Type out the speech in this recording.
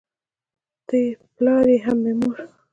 ته پلار یې هم مې مور